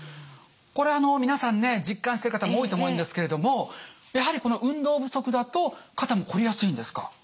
これあの皆さんね実感してる方も多いと思うんですけれどもやはりこの運動不足だと肩もこりやすいんですか？